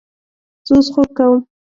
زه اوس خوب کوم